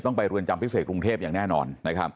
ต้องไปเรือนจำพิเศษกรุงเทพยังแน่นอน